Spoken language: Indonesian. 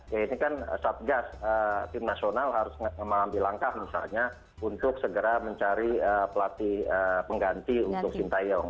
ya ini kan satgas tim nasional harus mengambil langkah misalnya untuk segera mencari pelatih pengganti untuk sintayong